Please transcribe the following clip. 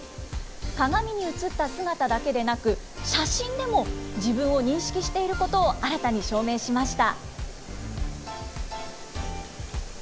鏡に映った姿だけでなく、写真でも自分を認識していることを新たに証明しました。